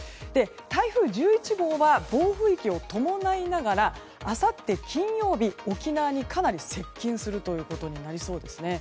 台風１１号は暴風域を伴いながらあさって金曜日沖縄にかなり接近するということになりそうです。